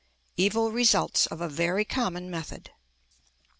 Evil Results of a very Common Method.